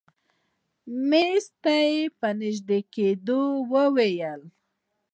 مېز ته په نژدې کېدو يې وويل.